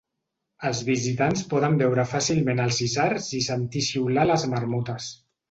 Els visitants poden veure fàcilment els Isards i sentir xiular a les marmotes.